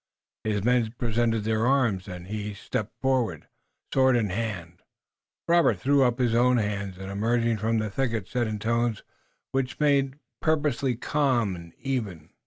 His men presented their arms, and he stepped forward, sword in hand. Robert threw up his own hands, and, emerging from the thicket, said in tones which he made purposely calm and even.